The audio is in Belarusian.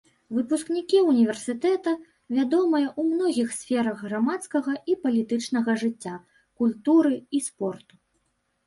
Выпускнікі ўніверсітэта вядомыя ў многіх сферах грамадскага і палітычнага жыцця, культуры і спорту.